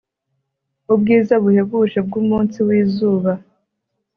Ubwiza buhebuje bwumunsi wizuba